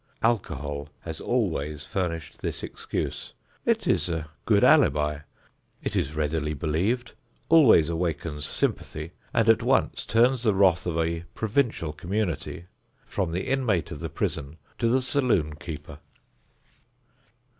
Alcohol has always furnished this excuse. It is a good alibi; it is readily believed, always awakens sympathy and at once turns the wrath of a provincial community from the inmate of the prison to the saloon keeper.